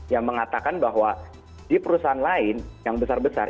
yang mengatakan bahwa di perusahaan lain yang besar besar